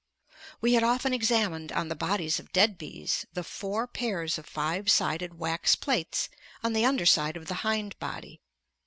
We had often examined, on the bodies of dead bees, the four pairs of five sided wax plates on the under side of the hind body.